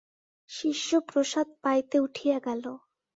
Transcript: শিষ্য প্রসাদ পাইতে উঠিয়া গেল।